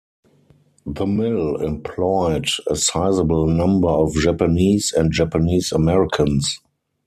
The mill employed a sizeable number of Japanese and Japanese Americans.